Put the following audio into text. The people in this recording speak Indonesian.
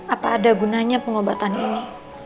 apa ada gunanya pengobatan ini